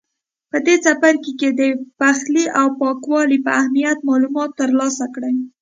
په دې څپرکي کې د پخلي او پاکوالي په اهمیت معلومات ترلاسه کړئ.